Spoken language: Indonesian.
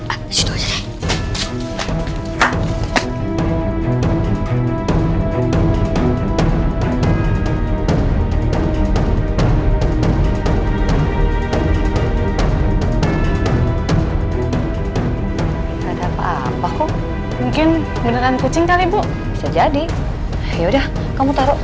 ada apa apa kok mungkin beneran kucing kali bu bisa jadi ya udah kamu taruh